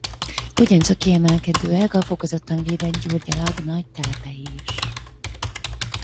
Ugyancsak kiemelendőek a fokozottan védett gyurgyalag nagy telepei is.